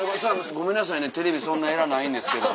ごめんなさいねテレビそんな偉ないんですけど。